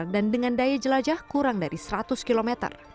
dan dengan daya jelajah kurang dari seratus km